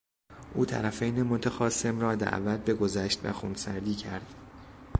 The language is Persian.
او طرفین متخاصم را دعوت به گذشت و خونسردی کرد.